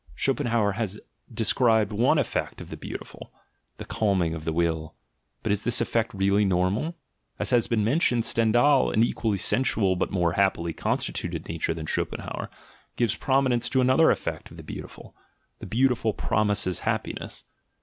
Schopenhauer has described one effect of the beautiful, — the calming of the will,— but is this effect really normal? As has been mentioned, Stendhal, an equally sensual but more happily constituted nature than Schopenhauer, gives prominence to another effect of the "beautiful." "The beautiful promises hap piness."